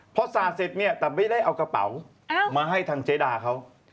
เพราะสาดเสร็จแต่ไม่ได้เอากระเป๋ามาให้จากเจ๊ดาเขา